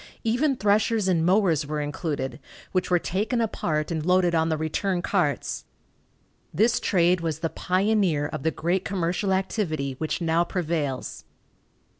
Even threshers and mowers were included, which were taken apart and loaded on the return carts. This trade was the pioneer of the great commercial activity which now prevails.